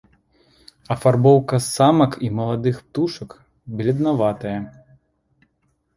Афарбоўка самак і маладых птушак бледнаватая.